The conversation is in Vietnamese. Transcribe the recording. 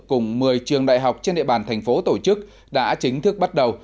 cùng một mươi trường đại học trên địa bàn tp hcm tổ chức đã chính thức bắt đầu